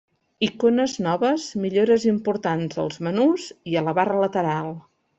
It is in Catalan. Icones noves, millores importants als menús i a la barra lateral.